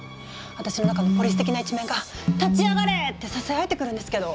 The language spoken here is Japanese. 私の中のポリス的な一面が「立ち上がれ！」ってささやいてくるんですけど。